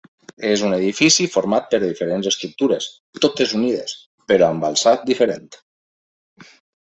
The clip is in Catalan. És un edifici format per diferents estructures totes unides, però amb alçats diferents.